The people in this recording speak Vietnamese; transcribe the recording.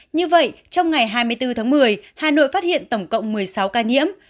như vậy trong ngày hai mươi bốn tháng một mươi hà nội phát hiện tổng cộng một mươi sáu ca nhiễm